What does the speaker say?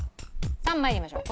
３参りましょう。